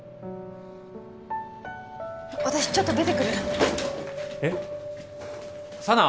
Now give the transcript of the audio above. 私ちょっと出てくるえっ佐奈？